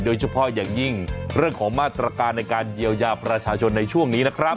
โดยเฉพาะอย่างยิ่งเรื่องของมาตรการในการเยียวยาประชาชนในช่วงนี้นะครับ